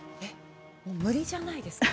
無理じゃないですか。